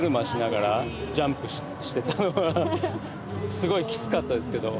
すごいキツかったですけど。